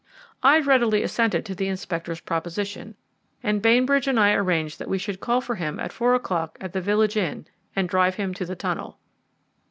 I readily assented to the inspector's proposition, and Bainbridge and I arranged that we should call for him at four o'clock at the village inn and drive him to the tunnel.